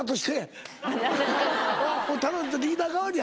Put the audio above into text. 頼むリーダー代わりや。